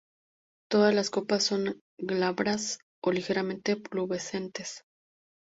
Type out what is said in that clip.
Todas las copas son glabras o ligeramente pubescentes.